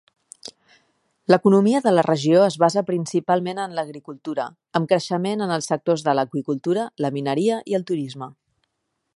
L'economia de la regió es basa principalment en l'agricultura, amb creixement en els sectors de l'aqüicultura, la mineria i el turisme.